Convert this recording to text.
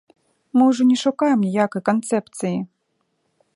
Мы ўжо не шукаем ніякай канцэпцыі.